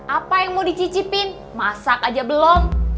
apa yang mau dicicipin masak aja belum